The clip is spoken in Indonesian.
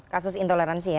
kasus intoleransi ya